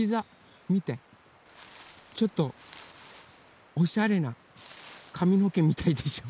ちょっとおしゃれなかみのけみたいでしょ。